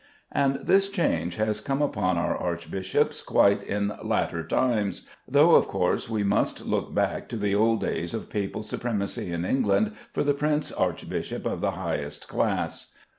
And this change has come upon our archbishops quite in latter times; though, of course, we must look back to the old days of Papal supremacy in England for the prince archbishop of the highest class.